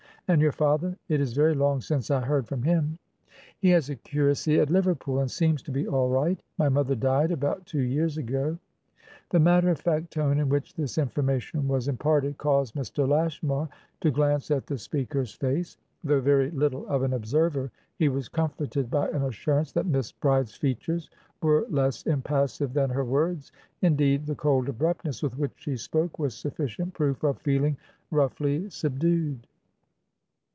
And your father? It is very long since I heard from him." "He has a curacy at Liverpool, and seems to be all right. My mother died about two years ago." The matter of fact tone in which this information was imparted caused Mr. Lashmar to glance at the speaker's face. Though very little of an observer, he was comforted by an assurance that Miss Bride's features were less impassive than her words. Indeed, the cold abruptness with which she spoke was sufficient proof of feeling roughly subdued.